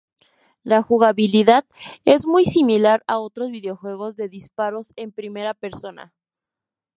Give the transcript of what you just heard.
La jugabilidad es muy similar a otros videojuegos de disparos en primera persona.